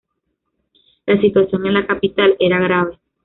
La situación en la capital era grave.